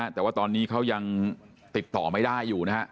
แต่ว่าตอนนี้เขายังติดต่อไม่ได้อยู่นะฮะ